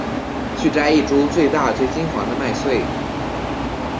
去摘一株最大最金黄的麦穗